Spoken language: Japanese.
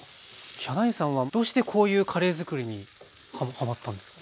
ヒャダインさんはどうしてこういうカレーづくりにはまったんですか？